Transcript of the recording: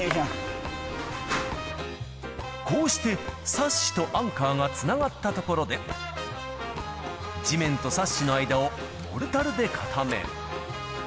こうしてサッシとアンカーがつながったところで、地面とサッシの間をモルタルで固め。